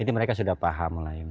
jadi mereka sudah paham mulai ini